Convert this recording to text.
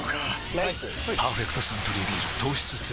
ライス「パーフェクトサントリービール糖質ゼロ」